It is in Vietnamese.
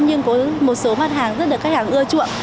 nhưng có một số mặt hàng rất được khách hàng ưa chuộng